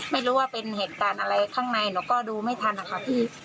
ไม่รู้ว่าเป็นเหตุการณ์อะไรข้างในหนูก็ดูไม่ทันนะคะพี่